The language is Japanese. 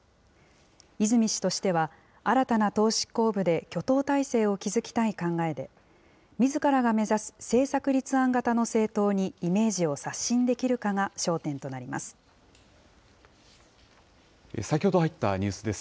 泉氏としては、新たな党執行部で挙党態勢を築きたい考えで、みずからが目指す政策立案型の政党にイメージを刷新できるかが焦先ほど入ったニュースです。